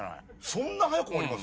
そんな早く終わります？